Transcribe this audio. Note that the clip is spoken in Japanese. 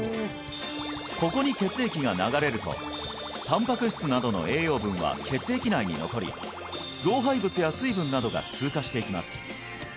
ここに血液が流れるとたんぱく質などの栄養分は血液内に残り老廃物や水分などが通過していきます